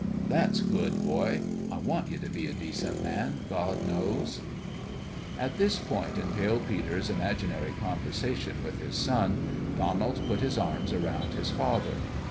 " That's good, boy ! I want you to be a decent man, God knows !" At this point in Pale Peter's imaginary conver sation with his son, Donald put his arms around his father.